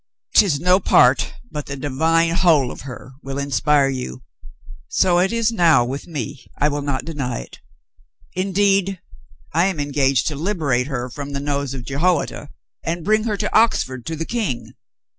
" 'Tis no part, but the divine whole of her will in spire you. So it is now with me, I will not deny it. Indeed, I am engaged to liberate her from the nose of Jehoiada and bring her to Oxford to the King.